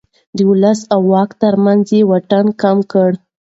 د ولس او واک ترمنځ يې واټن کم کړ.